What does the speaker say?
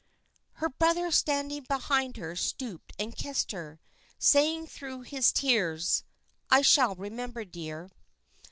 Her brother standing behind her stooped and kissed her, saying through his tears "I shall remember, dear."